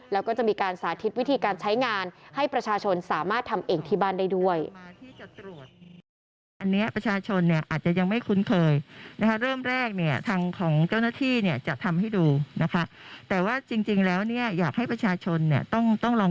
แล้วก็จะมีการสาธิตวิธีการใช้งานให้ประชาชนสามารถทำเองที่บ้านได้ด้วย